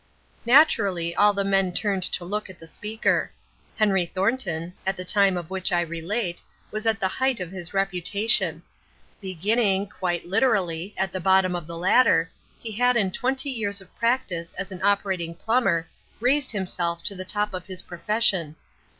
Naturally all the men turned to look at the speaker. Henry Thornton, at the time of which I relate, was at the height of his reputation. Beginning, quite literally, at the bottom of the ladder, he had in twenty years of practice as an operating plumber raised himself to the top of his profession.